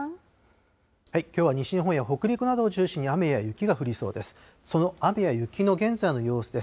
きょうは西日本や北陸などを中心に雨や雪が降りそうです。